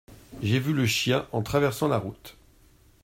J’ai vu le chien en traversant la route.